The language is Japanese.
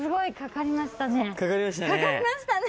かかりましたね。